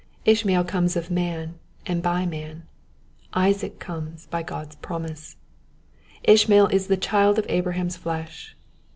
Ishmael comes of man, and by man. Isaac comes by God's promise, Ishmael is the child of Abraham's flesh.